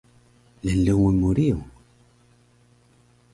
lnlungun mu riyung